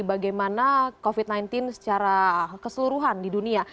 bagaimana covid sembilan belas secara keseluruhan di dunia